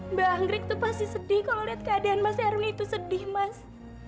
mbak anggrik tuh pasti sedih kalau liat keadaan mas erwin itu sedih mas